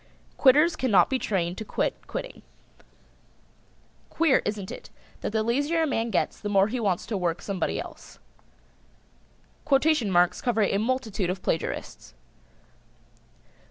"] Quitters cannot be trained to quit quitting. Queer, isn't it, that the lazier a man gets the more he wants to work somebody else. Quotation marks cover a multitude of plagiarists.